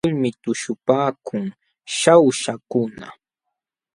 Qiluta wantulmi tuśhupaakun Shawshakuna.